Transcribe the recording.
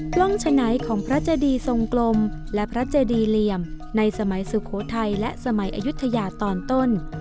กล้องฉะไหนของพระเจดีทรงกลมและพระเจดีเหลี่ยมในสมัยสุโขทัยและสมัยอายุทยาตอนต้น